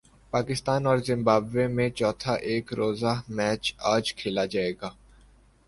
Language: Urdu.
پاکستان اور زمبابوے میں چوتھا ایک روزہ میچ اج کھیلا جائے گا